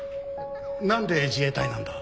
何で自衛隊なんだ？